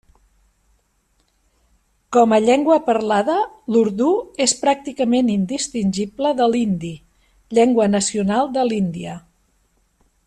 Com a llengua parlada, l'urdú és pràcticament indistingible de l'hindi, llengua nacional de l'Índia.